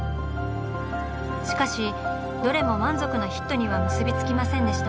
しかしどれも満足なヒットには結び付きませんでした。